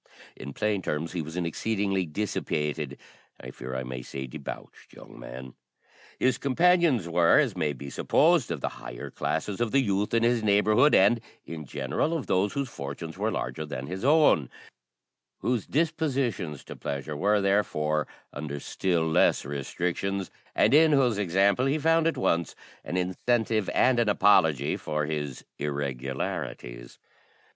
In plain terms, he was an exceedingly dissipated I fear I may say debauched, young man. His companions were, as may be supposed, of the higher classes of the youth in his neighbourhood, and, in general, of those whose fortunes were larger than his own, whose dispositions to pleasure were, therefore, under still less restrictions, and in whose example he found at once an incentive and an apology for his irregularities.